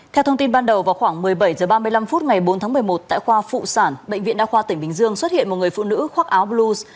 theo thông tin ban đầu vào khoảng một mươi bảy h ba mươi năm phút ngày bốn tháng một mươi một tại khoa phụ sản bệnh viện đa khoa tỉnh bình dương xuất hiện một người phụ nữ khoác áo blue